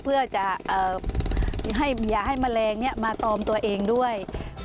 เพื่อจะอย่าให้แมลงมาตอมตัวเองด้วย